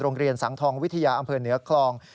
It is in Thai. โรงเรียนสังทองวิทยาอำเภอเหนือคลอง